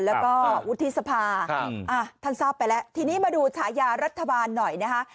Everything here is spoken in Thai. แล้วก็วุฒิสภาท่านทราบไปแล้วทีนี้มาดูฉายารัฐบาลหน่อยนะคะ